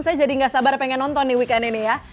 saya jadi gak sabar pengen nonton nih weekend ini ya